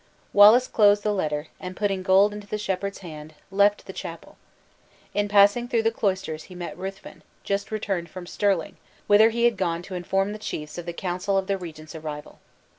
Wallace closed the letter; and putting gold into the shepherd's hand, left the chapel. In passing through the cloisters he met Ruthven, just returned from Stirling, whither he had gone to inform the chiefs of the council of the regent's arrival.